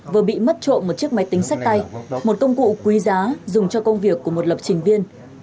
vừa bị mất trộm một chiếc máy tính sách tay một công cụ quý giá dùng cho công việc của một lập trình viên